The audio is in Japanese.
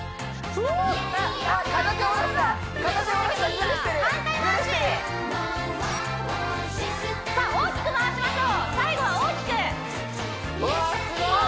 あっあっ反対回しさあ大きく回しましょう最後は大きくうわーすごい！